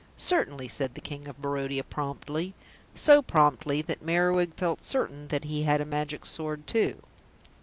"Certainly," said the King of Barodia promptly; so promptly that Merriwig felt certain that he had a Magic Sword too.